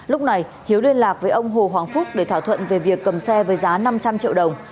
lúc này hiếu liên lạc với ông hồ hoàng phúc để thỏa thuận về việc cầm xe với giá năm trăm linh triệu đồng